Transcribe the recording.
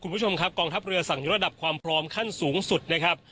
คุณผู้ชมครับกองทัพเรือสั่งระดับความพร้อมขั้นสูงสุดนะครับ